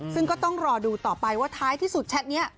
ซึ่งก็ต้องรอดูต่อไปว่าท้ายที่สุดแชทนี้